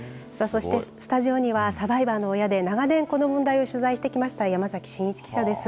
そして、スタジオには、サバイバーの親で長年、この問題を取材してきました山崎真一記者です。